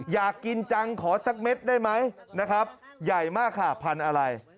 อยากกินจังขอสักเม็ดได้ไหมนะครับใหญ่มากค่ะพันธุ์อะไร